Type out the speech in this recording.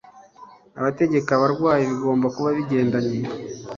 bategeka abarwayi bigomba kuba bigendanye